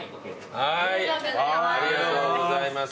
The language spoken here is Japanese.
ありがとうございます。